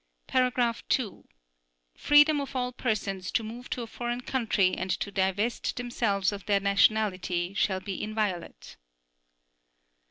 (2) Freedom of all persons to move to a foreign country and to divest themselves of their nationality shall be inviolate.